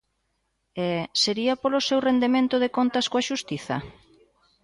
E ¿sería polo seu rendemento de contas coa xustiza?